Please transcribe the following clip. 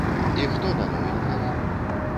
І хто на новенькага?